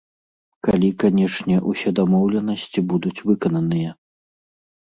Калі, канешне, усе дамоўленасці будуць выкананыя.